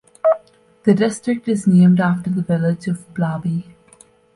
The district is named after the village of Blaby.